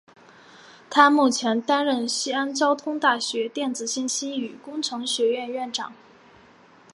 他目前担任西安交通大学电子信息与工程学院院长。